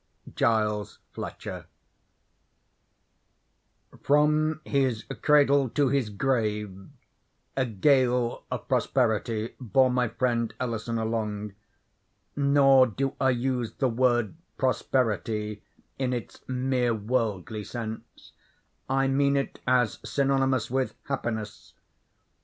—Giles Fletcher. From his cradle to his grave a gale of prosperity bore my friend Ellison along. Nor do I use the word prosperity in its mere worldly sense. I mean it as synonymous with happiness.